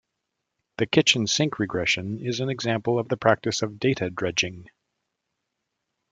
The kitchen sink regression is an example of the practice of data dredging.